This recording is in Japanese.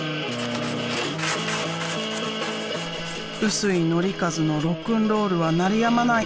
臼井紀和のロックンロールは鳴りやまない！